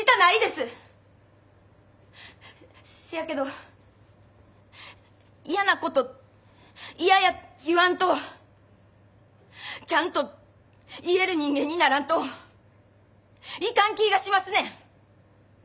せやけど嫌なこと嫌や言わんとちゃんと言える人間にならんといかん気ぃがしますねん。